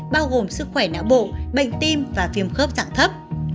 bao gồm sức khỏe não bộ bệnh tim và phiêm khớp trạng thấp